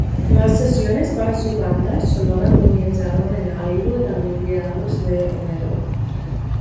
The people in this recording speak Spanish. Las sesiones para su banda sonora comenzaron en Hollywood a mediados de enero.